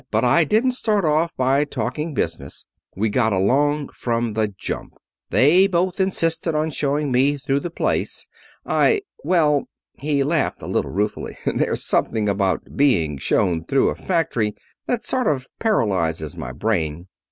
But I didn't start off by talking business. We got along from the jump. They both insisted on showing me through the place. I well," he laughed a little ruefully, "there's something about being shown through a factory that sort of paralyzes my brain.